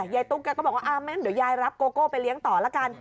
ตุ๊กแกก็บอกว่างั้นเดี๋ยวยายรับโกโก้ไปเลี้ยงต่อละกัน